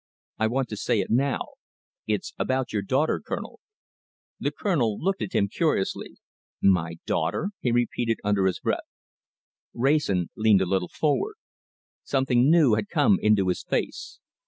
I want to say it now. It is about your daughter, Colonel!" The Colonel looked at him curiously. "My daughter?" he repeated, under his breath. Wrayson leaned a little forward. Something new had come into his face.